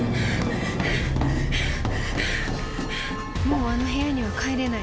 ［もうあの部屋には帰れない。